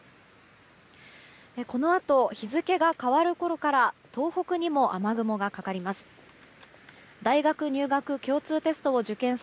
このあと日付が変わるころから東北にも雨雲がかかります。